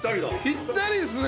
ぴったりですね。